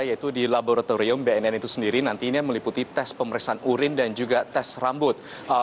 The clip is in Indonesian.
yaitu di laboratorium bnn itu sendiri nantinya meliputi tes pemeriksaan urin dan juga tes rambut